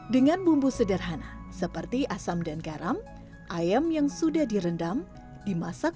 dengan bumbu sederhana seperti asam dan garam ayam yang sudah direndam dimasak